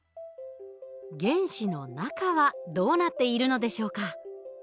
原子の中はどうなっているのでしょうか？